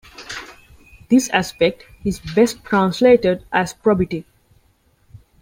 This aspect is best translated as probity.